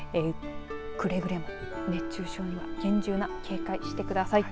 くれぐれも熱中症には厳重な警戒、してください。